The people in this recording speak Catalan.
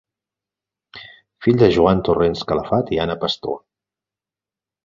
Fill de Joan Torrens Calafat i Anna Pastor.